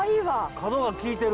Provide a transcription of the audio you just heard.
角が効いてる！